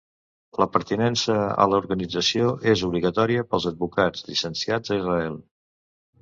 La pertinença a l'organització és obligatòria pels advocats llicenciats a Israel.